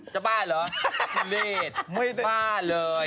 จะบ้าเหรอคุณเนธบ้าเลย